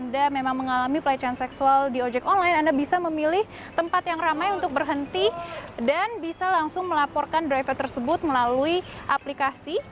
anda memang mengalami pelecehan seksual di ojek online anda bisa memilih tempat yang ramai untuk berhenti dan bisa langsung melaporkan driver tersebut melalui aplikasi